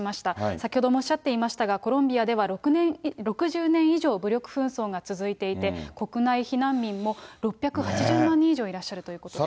先ほどもおっしゃっていましたが、コロンビアでは６０年以上、武力紛争が続いていて、国内避難民も６８０万人以上いらっしゃるということです。